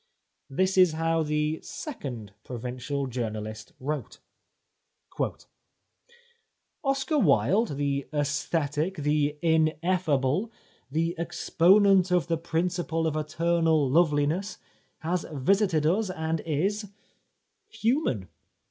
This is how the second provincial journahst wrote :—" Oscar Wilde, the aesthetic — the ineffable — the exponent of the principle of eternal loveliness has visited us and is — human.